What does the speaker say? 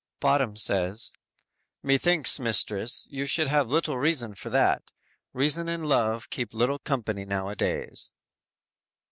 "_ Bottom says: _"Methinks, mistress, you should have little reason for that; Reason and love keep little company now a days!"